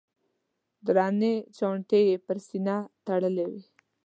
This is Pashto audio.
درنې چانټې یې پر سینه تړلې وې.